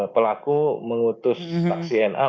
pelaku mengutus saksi na